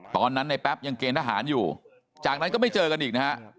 ตอนนั้นในแป๊บยังเกณฑหารอยู่จากนั้นก็ไม่เจอกันอีกนะฮะ